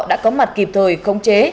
đã có mặt kịp thời không chế